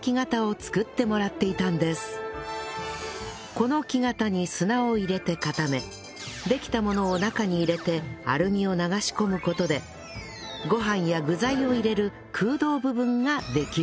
この木型に砂を入れて固めできたものを中に入れてアルミを流し込む事でご飯や具材を入れる空洞部分ができるんです